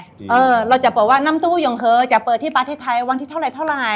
เออเราจะบอกว่าน้ำตู้ยงเคยจะเปิดที่ประเทศไทยวันที่เท่าไหรเท่าไหร่